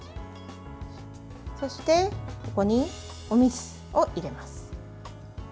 そして、ここにお水を入れます。